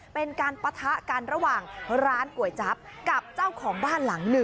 เป็นการปะทะกันระหว่างร้านกรวยจับกับเจ้าของบ้าน